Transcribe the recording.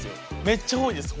めっちゃ多いです